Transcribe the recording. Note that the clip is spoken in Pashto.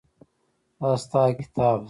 دا ستا کتاب دی.